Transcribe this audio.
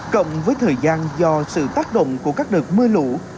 cộng với thời gian do sự tác động của các đợt mưa lũ